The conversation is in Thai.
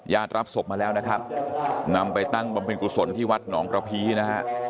รับศพมาแล้วนะครับนำไปตั้งบำเพ็ญกุศลที่วัดหนองกระพีนะฮะ